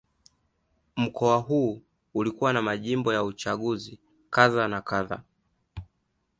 Mkoa huu ulikuwa na majimbo ya uchaguzi kadha na kadha